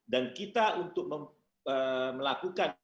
dan kita untuk melakukan